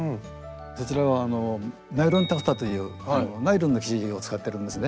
そちらはナイロンタフタというナイロンの生地を使ってるんですね。